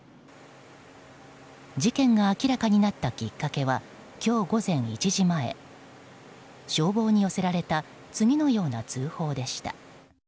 事件が明らかになったきっかけは今日午前１時前消防に寄せられた次のような通報でした。